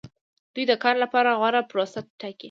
دوی د کار لپاره غوره پروسه ټاکي.